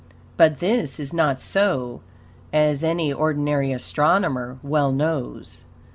But this is not so, as any ordinary astronomer well knows.